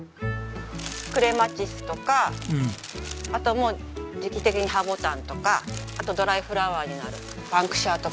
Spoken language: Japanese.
クレマチスとかあと時期的にハボタンとかあとドライフラワーになるバンクシアとか。